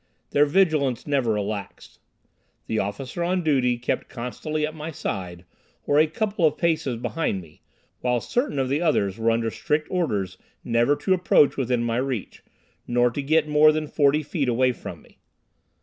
Their vigilance never relaxed. The officer on duty kept constantly at my side, or a couple of paces behind me, while certain of the others were under strict orders never to approach within my reach, nor to get more than forty feet away from me.